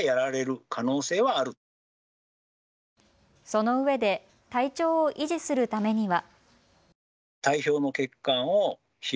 そのうえで体調を維持するためには。